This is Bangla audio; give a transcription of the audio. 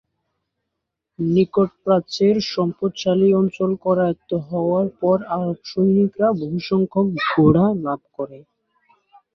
নিকট প্রাচ্যের সম্পদশালী অঞ্চল করায়ত্ত হওয়ার পর আরব সৈনিকরা বহুসংখ্যক ঘোড়া লাভ করে।